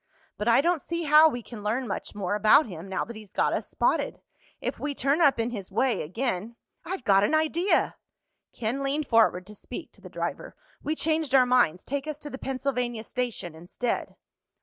But I don't see how we can learn much more about him, now that he's got us spotted. If we turn up in his way again—" "I've got an idea!" Ken leaned forward to speak to the driver. "We changed our minds. Take us to the Pennsylvania Station instead."